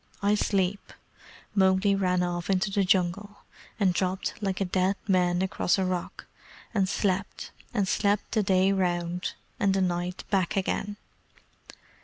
I sleep." Mowgli ran off into the Jungle, and dropped like a dead man across a rock, and slept and slept the day round, and the night back again.